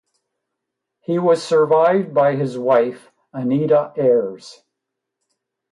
He was survived by his wife Anita Aars.